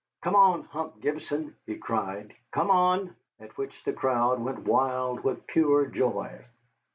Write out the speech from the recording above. "Come on, Hump Gibson," he cried, "come on!" at which the crowd went wild with pure joy.